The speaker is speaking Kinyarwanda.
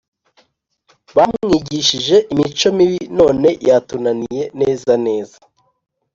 bamwigishije imico mibi none yatunaniye neza neza